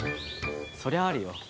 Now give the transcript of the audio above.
そりゃあるよ。